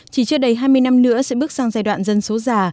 chỉ chưa đầy hai mươi năm nữa sẽ bước sang giai đoạn dân số già